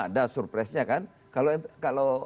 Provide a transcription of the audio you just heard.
ada surprise nya kan kalau